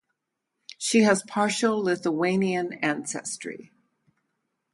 She has partial Lithuanian ancestry.